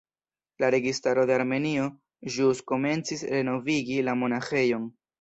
La registaro de Armenio ĵus komencis renovigi la monaĥejon.